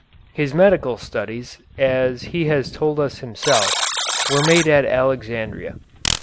His medical studies, as he has told us himself, were made at Alexandria.